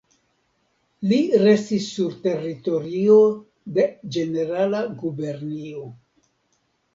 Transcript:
Li restis sur teritorio de Ĝenerala Gubernio.